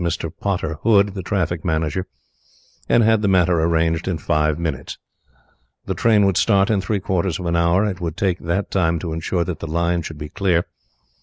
Bland struck the electric bell, summoned Mr. Potter Hood, the traffic manager, and had the matter arranged in five minutes. The train would start in three quarters of an hour. It would take that time to insure that the line should be clear.